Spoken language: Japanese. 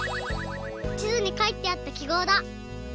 ちずにかいてあったきごうだ！